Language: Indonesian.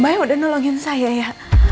mbak yang udah nolongin saya ya